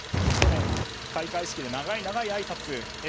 去年開会式で長い長いあいさつ。